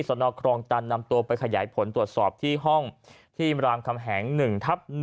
สนครองตันนำตัวไปขยายผลตรวจสอบที่ห้องที่รามคำแหง๑ทับ๑